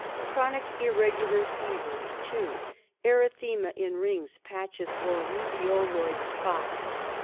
Chronic irregular fever, 2. Erythema in rings, patches, or rubeoloid spots, 3.